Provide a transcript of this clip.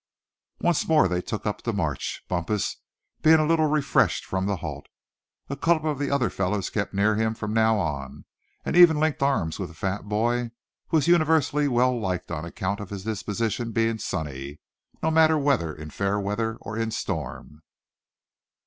Once more they took up the march, Bumpus being a little refreshed from the halt. A couple of the other fellows kept near him from now on, and even linked arms with the fat boy, who was universally well liked on account of his disposition being sunny, no matter whether in fair weather or in storm.